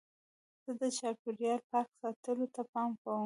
زه د چاپېریال پاک ساتلو ته پام کوم.